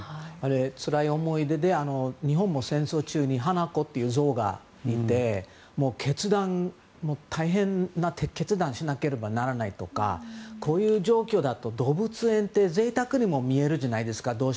つらい思い出で、日本も戦争中にハナコというゾウがいて大変な決断をしなければならないとかこういう状況だと動物園って贅沢にも見えるじゃないですか